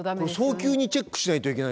早急にチェックしないといけないですね。